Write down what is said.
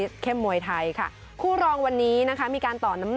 ช่วยเทพธรรมไทยรัช